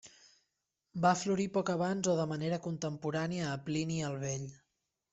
Va florir poc abans o de manera contemporània a Plini el Vell.